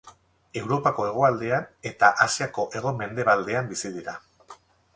Europako hegoaldean eta Asiako hego-mendebaldean bizi dira.